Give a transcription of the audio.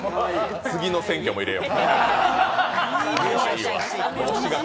次の選挙も入れよう。